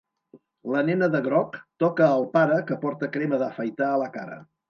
La nena de groc toca el pare que porta crema d'afaitar a la cara.